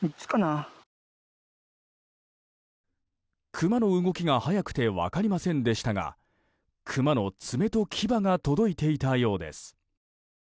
クマの動きが速くて分かりませんでしたがクマの爪と牙が届いていたようです。